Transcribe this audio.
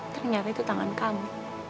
ternyata itu tangan kamu